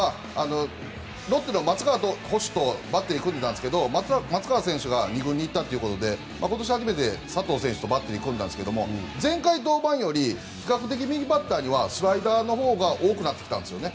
ロッテの松川捕手とバッテリーを組んでたんですが松川選手が２軍に行ったということで今年は初めて佐藤選手とバッテリーを組みましたが前回の登板より比較的、右バッターにはスライダーのほうが多くなってきたんですよね。